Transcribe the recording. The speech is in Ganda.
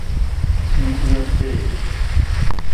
Kiyitibwa bbeere.